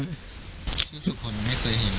เชื่อสุดคนไม่เคยเห็น